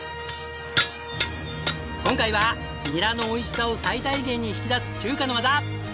今回はニラのおいしさを最大限に引き出す中華の技！